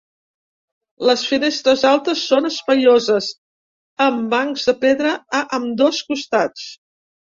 Les finestres altes són espaioses, amb bancs de pedra a ambdós costats.